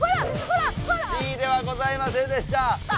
Ｃではございませんでした。